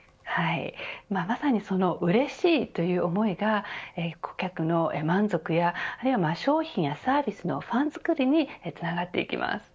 まさにそのうれしいという思いが顧客の満足やあるいは消費やサービスのファンづくりにつながっていきます。